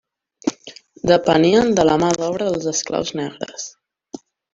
Depenien de la mà d'obra dels esclaus negres.